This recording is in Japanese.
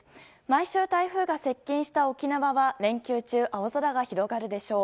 毎週台風が接近した沖縄は連休中青空が広がるでしょう。